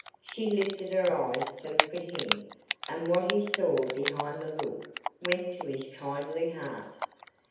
She lifted her eyes to look at him, and what he saw behind the look went to his kindly heart.